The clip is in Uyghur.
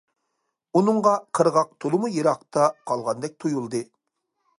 ئۇنىڭغا قىرغاق تولىمۇ يىراقتا قالغاندەك تۇيۇلدى.